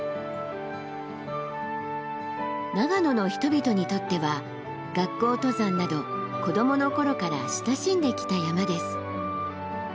長野の人々にとっては学校登山など子どもの頃から親しんできた山です。